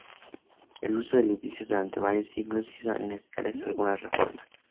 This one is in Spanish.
El uso del edificio durante varios siglos hizo necesarias algunas reformas.